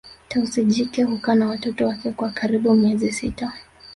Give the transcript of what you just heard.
Tausi jike hukaa na watoto wake kwa karibu miezi sita